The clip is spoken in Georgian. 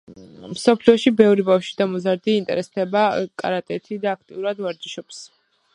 მსოფლიოში ბევრი ბავშვი და მოზარდი ინტერესდება კარატეთი და აქტიურად ვარჯიშობს.